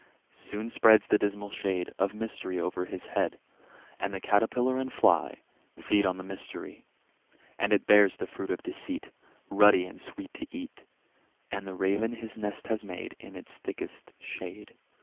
Soon spreads the dismal shade Of Mystery over his head; And the Catterpiller and Fly Feed on the Mystery. And it bears the fruit of Deceit, Ruddy and sweet to eat; And the Raven his nest has made In its thickest shade.